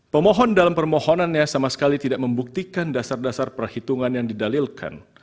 pemohon dalam permohonannya sama sekali tidak membuktikan dasar dasar perhitungan yang didalilkan